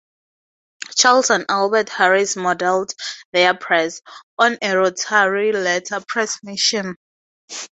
Charles and Albert Harris modeled their press "on a rotary letter press machine".